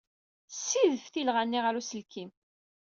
Ssidef tilɣa-nni ɣer uselkim.